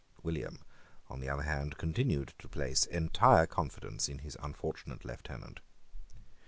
William, on the other hand, continued to place entire confidence in his unfortunate lieutenant.